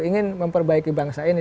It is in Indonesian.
ingin memperbaiki bangsa ini